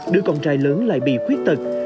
đứa con trai lớn lại bị khuyết tật